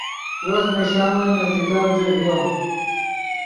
وخت نے شامن نزدیکڤدے ڤیو